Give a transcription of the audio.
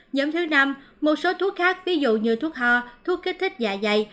nhóm thứ năm một số thuốc khác ví dụ như thuốc ho thuốc kích thích dạ dày